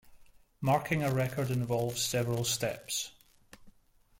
Marking a record involves several steps.